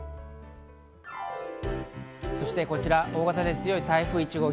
そしてこちら、大型で強い台風１号。